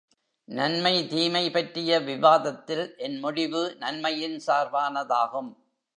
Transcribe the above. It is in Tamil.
நன்மை தீமை பற்றிய விவாதத்தில் என்முடிவு நன்மையின் சார்பானதாகும்.